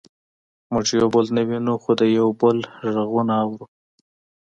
موږ یو بل نه وینو خو د یو بل غږونه اورو